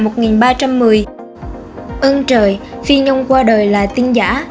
ơn trời phi nhung qua đời là tin giả